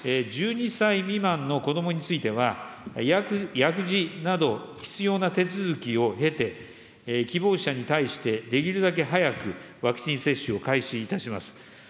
１２歳未満の子どもについては、薬事など、必要な理由を経て、希望者に対してできるだけ早くワクチン接種を開始いたします。